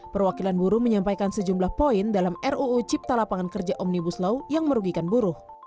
perwakilan buruh menyampaikan sejumlah poin dalam ruu cipta lapangan kerja omnibus law yang merugikan buruh